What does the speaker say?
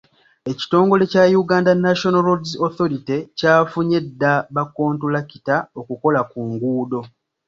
Ekitongole kya Uganda National Roads Authority kyafunye dda ba kontulakita okukola ku nguudo.